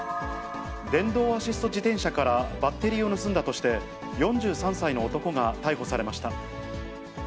電動アシスト自転車からバッテリーを盗んだとして、４３歳の男が逮捕されました。